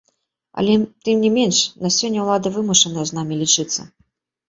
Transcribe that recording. Але тым не менш, на сёння ўлада вымушаная з намі лічыцца.